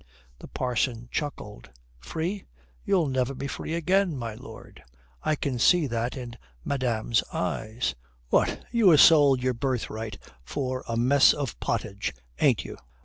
The parson chuckled. "Free? You'll never be free again, my lord. I can see that in madame's eye. What, you ha' sold your birthright for a mess of pottage, ain't you?